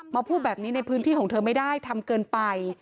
พูดแบบนี้ในพื้นที่ของเธอไม่ได้ทำเกินไป